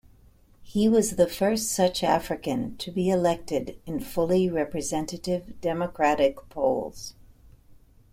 He was the first such African to be elected in fully representative democratic polls.